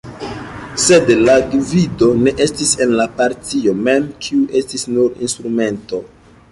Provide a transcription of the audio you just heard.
Sed la gvido ne estis en la partio mem, kiu estis nur instrumento.